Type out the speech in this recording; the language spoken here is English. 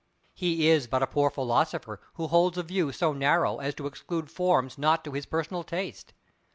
He is but a poor philosopher who holds a view so narrow as to exclude forms not to his personal taste.